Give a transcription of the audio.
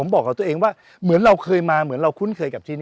บอกกับตัวเองก็เหมือนเราเคยมา